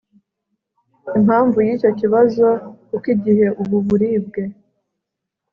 impamvu yicyo kibazo kuko igihe ubu buribwe